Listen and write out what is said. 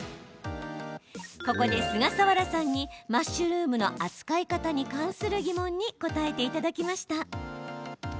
ここで菅佐原さんにマッシュルームの扱い方に関する疑問に答えていただきました。